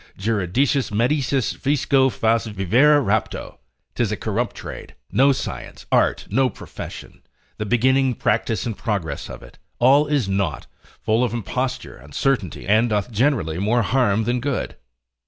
Juridicis, medicis, fisco, fas vivere rapto, 'tis a corrupt trade, no science, art, no profession; the beginning, practice, and progress of it, all is naught, full of imposture, uncertainty, and doth generally more harm than good.